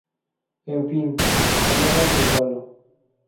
En fin, a no dar ni palo.